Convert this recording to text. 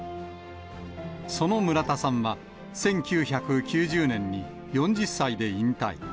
その村田さんは、１９９０年に４０歳で引退。